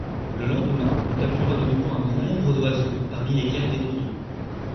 Le lendemain on captura de nouveau un grand nombre d'oiseaux parmi lesquels des dodos.